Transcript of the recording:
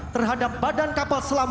terhadap badan kapal selam